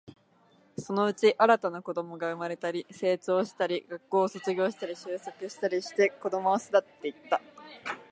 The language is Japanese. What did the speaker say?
そのうち、新たな子供が生まれたり、成長したり、学校を卒業したり、就職したりして、子供は巣立っていった